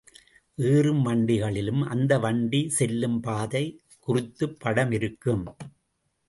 ஏறும் வண்டிகளிலும் அந்த வண்டி செல்லும் பாதை குறித்துப் படம் இருக்கும்.